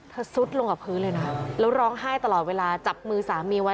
ซุดลงกับพื้นเลยนะแล้วร้องไห้ตลอดเวลาจับมือสามีไว้